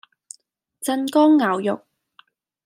鎮江肴肉